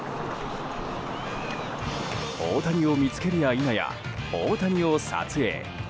大谷を見つけるや否や大谷を撮影。